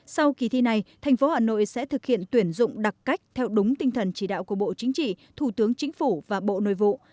sau kỳ thi này thành phố hà nội sẽ thực hiện tuyển dụng đặc cách theo đúng tinh thần chỉ đạo của bộ chính trị thủ tướng chính phủ và bộ nội vụ